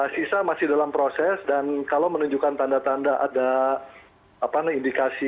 sisa masih dalam proses dan kalau menunjukkan tanda tanda ada indikasi